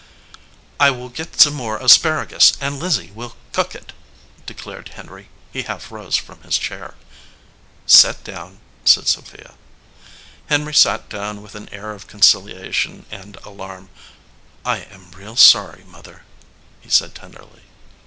"I will get some more asparagus, and Lizzie will cook it," declared Henry. He half rose from his chair. "Set down," said Sophia. Henry sat down with an air of conciliation and alarm. "I am real sorry, Mother," he said, ten derly.